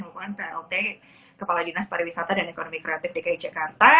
merupakan plt kepala dinas pariwisata dan ekonomi kreatif dki jakarta